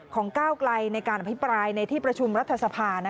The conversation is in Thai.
ก้าวไกลในการอภิปรายในที่ประชุมรัฐสภา